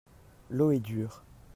L'eau est dure.